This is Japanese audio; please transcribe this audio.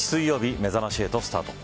めざまし８、スタート。